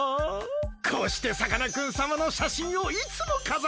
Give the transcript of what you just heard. こうしてさかなクンさまのしゃしんをいつもかざってるんです。